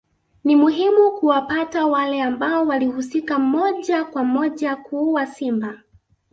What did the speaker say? Ni muhimu kuwapata wale ambao walihusika moja kwa moja kuua Simba